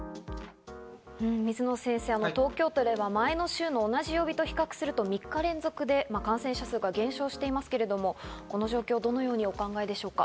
水野先生、東京都では前の週の同じ曜日と比較すると３日連続で感染者数が減少していますけど、この状況をどのようにお考えでしょうか。